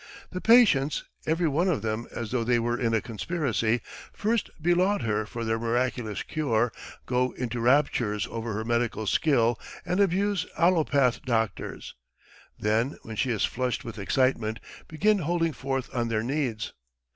The patients, every one of them as though they were in a conspiracy, first belaud her for their miraculous cure, go into raptures over her medical skill, and abuse allopath doctors, then when she is flushed with excitement, begin holding forth on their needs.